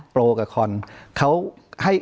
โปรกับคอนเขาให้